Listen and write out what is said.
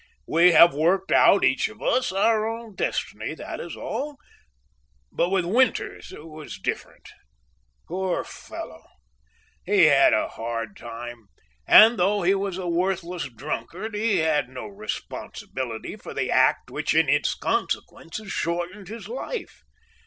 We have worked out, each of us, our own destiny, that is all; but with Winters, it was different. Poor fellow! he had a hard time, and though he was a worthless drunkard, he had no responsibility for the act which, in its consequences, shortened his life.